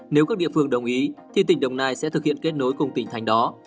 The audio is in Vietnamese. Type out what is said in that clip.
nếu các địa phương đồng ý thì tỉnh đồng nai sẽ thực hiện kết nối cùng tỉnh thành đó